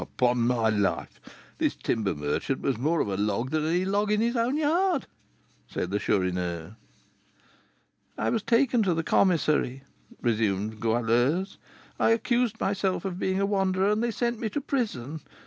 '" "Upon my life, this timber merchant was more of a log than any log in his own yard," said the Chourineur. "I was taken to the commissary," resumed Goualeuse. "I accused myself of being a wanderer, and they sent me to prison.